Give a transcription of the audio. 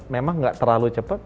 memang nggak terlalu cepet